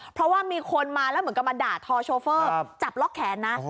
เพราะว่ามีคนมาแล้วเหมือนกับมาด่าทอโชเฟอร์จับล็อกแขนนะ